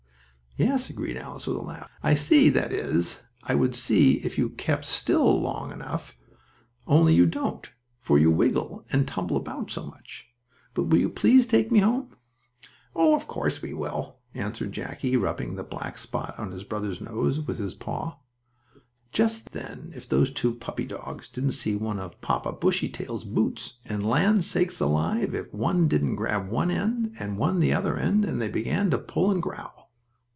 "Yes," agreed Alice with a laugh, "I see; that is, I would see if you kept still long enough, only you don't, for you wiggle and tumble about so much. But will you please take me home?" "Of course we will," answered Jackie, rubbing the black spot on his brother's nose with his paw. Just then, if those two puppy dogs didn't see one of Papa Bushytail's boots, and, land sakes alive! if one didn't grab one end and one the other end, and they began to pull and growl.